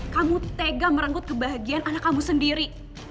kamu tega merenggut kebahagiaan anak kamu sendiri